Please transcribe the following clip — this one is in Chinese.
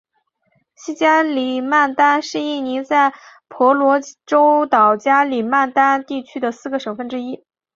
西加里曼丹是印尼在婆罗洲岛加里曼丹地区的四个省份之一。